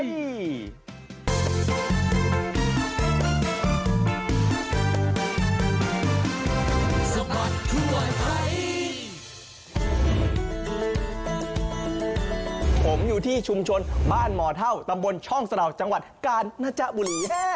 ผมอยู่ที่ชุมชนบ้านหมอเท่าตำบลช่องสะดาวจังหวัดกาญนะจ๊บุรี